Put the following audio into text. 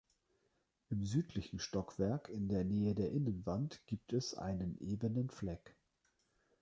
Im südlichen Stockwerk in der Nähe der Innenwand gibt es einen ebenen Fleck.